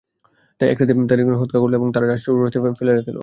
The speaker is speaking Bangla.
তাই একরাতে তাদের একজন তাকে হত্যা করল এবং তার লাশ চৌরাস্তায় ফেলে রেখে এল।